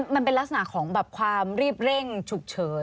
มันเป็นลักษณะของแบบความรีบเร่งฉุกเฉิน